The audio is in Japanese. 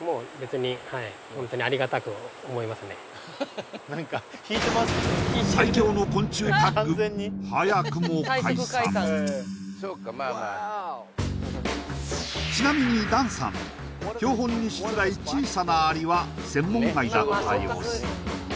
はい最強の昆虫タッグ早くも解散ちなみにダンさん標本にしづらい小さなアリは専門外だった様子